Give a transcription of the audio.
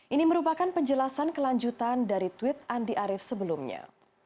ini merupakan penjelasan kelanjutan dari tweet andi arief sebelumnya